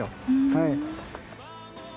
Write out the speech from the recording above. はい。